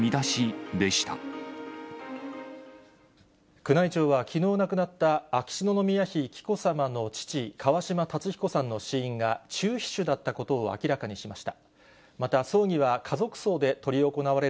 宮内庁は、きのう亡くなった秋篠宮妃紀子さまの父、川嶋辰彦さんの死因が、中皮腫だったことを明らかにしました。